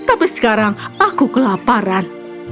tapi sekarang aku kelaparan